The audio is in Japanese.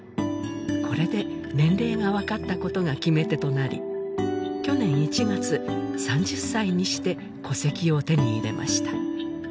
これで年齢が分かったことが決め手となり去年１月３０歳にして戸籍を手に入れました